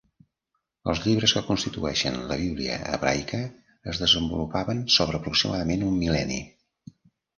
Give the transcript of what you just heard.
Els llibres que constitueixen la Bíblia hebraica es desenvolupaven sobre aproximadament un mil·lenni.